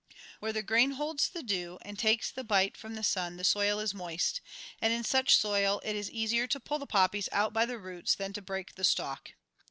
Where the grain holds the dew and takes the bite from the sun the soil is moist, and in such soil it is easier to pull the poppies out by the roots than to break the stalk.